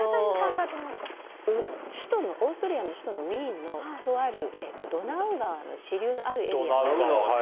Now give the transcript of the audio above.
オーストリアの首都のウィーンのあるドナウ川支流のエリア。